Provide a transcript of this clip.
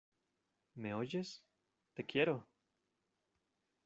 ¿ me oyes? ¡ te quiero!